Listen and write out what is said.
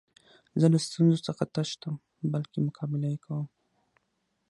زه له ستونزو څخه تښتم؛ بلکي مقابله ئې کوم.